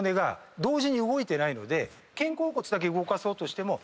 肩甲骨だけ動かそうとしても背中が。